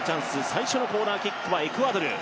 最初のコーナーキックはエクアドル。